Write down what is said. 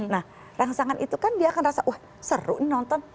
nah rangsangan itu kan dia akan rasa wah seru nonton